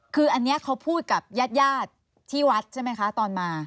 คืออันนี้เขาพูดกับญาติญาติที่วัดใช่ไหมคะตอนมา